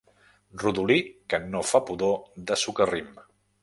Rodolí que no fa pudor de socarrim.